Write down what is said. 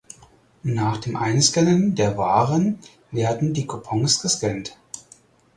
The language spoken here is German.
Nach dem Einscannen der Waren werden die Coupons gescannt.